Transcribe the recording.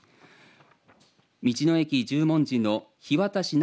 道の駅十文字の樋渡直